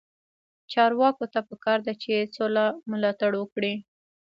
چارواکو ته پکار ده چې، سوله ملاتړ وکړي.